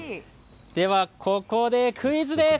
ここでクイズです。